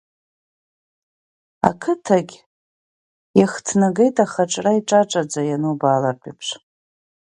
Ақыҭагьы иахҭнагеит ахаҿра иҿаҿаӡа ианубаалартә еиԥш.